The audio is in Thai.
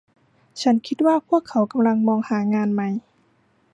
ฉันคิดว่าพวกเขากำลังมองหางานใหม่